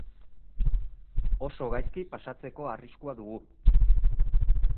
Oso gaizki pasatzeko arriskua dugu.